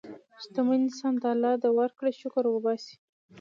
شتمن انسان د الله د ورکړې شکر وباسي.